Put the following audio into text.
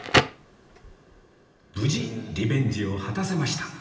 無事リベンジを果たせました